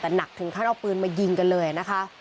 แต่หนักถึงขั้นเอาปืนมายิงกันเลยนะคะ